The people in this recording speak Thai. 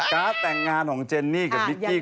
การ์ดแต่งงานของเจนนี่กับนิกกี้